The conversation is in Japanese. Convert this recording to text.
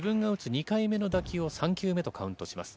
２回目の打球を３球目とカウントします。